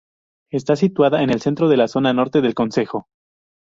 Está situada en el centro de la zona norte del concejo.